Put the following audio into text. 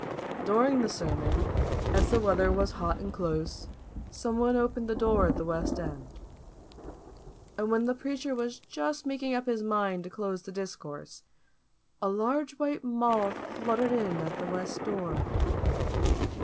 During the sermon, as the weather was hot and close, someone opened the door at the west end. And when the preacher was just making up his mind to close the discourse, a large white moth fluttered in at the west door.